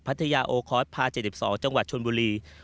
พัทยาโอคอร์ดพ๗๒จังหวัดชวนบุหรี่